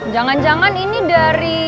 jangan jangan ini dari